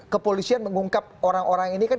kepolisian mengungkap orang orang ini kan